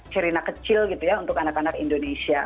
sherina kecil gitu ya untuk anak anak indonesia